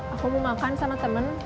aku mau makan sama temen